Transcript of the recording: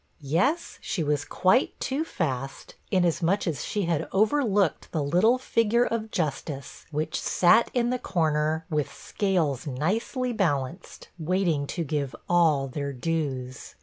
Yes, she was quite too fast, inasmuch as she had overlooked the little figure of justice, which sat in the comer, with scales nicely balanced, waiting to give all their dues.